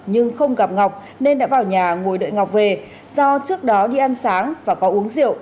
nhưng không gặp ngọc nên đã vào nhà ngồi đợi ngọc về do trước đó đi ăn sáng và có uống rượu